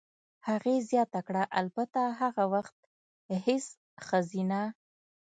هغې زیاته کړه: "البته، هغه وخت هېڅ ښځینه.